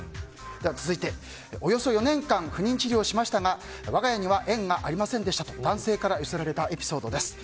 続いて、およそ４年間不妊治療しましたが我が家には縁がありませんでしたと男性から寄せられたエピソードです。